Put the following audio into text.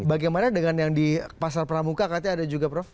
bagaimana dengan yang di pasar pramuka katanya ada juga prof